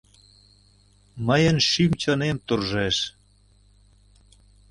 Мыйын шӱм-чонем туржеш.